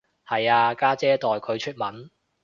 係啊，家姐代佢出文